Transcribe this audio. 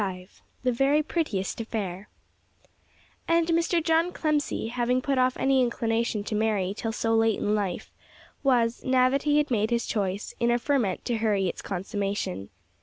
XXV "THE VERY PRETTIEST AFFAIR" And Mr. John Clemcy, having put off any inclination to marry till so late in life, was, now that he had made his choice, in a ferment to hurry its consummation.